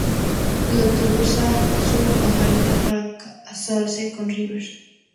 El Doctor usa su pajarita para casarse con River.